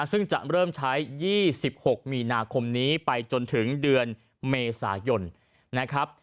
ซึ่งจะเริ่มใช้๒๖มีนาคมนี้ไปจนถึงเดือนเมษายนนะครับ